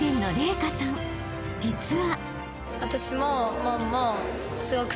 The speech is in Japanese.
［実は］